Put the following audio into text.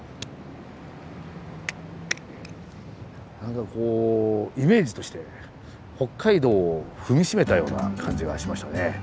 何かこうイメージとして北海道を踏み締めたような感じがしましたね。